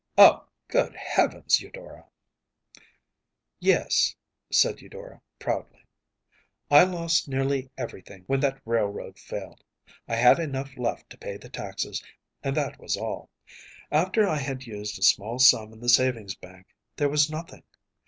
‚ÄĚ “Oh, good heavens, Eudora!‚ÄĚ ‚ÄúYes,‚ÄĚ said Eudora, proudly. “I lost nearly everything when that railroad failed. I had enough left to pay the taxes, and that was all. After I had used a small sum in the savings bank there was nothing.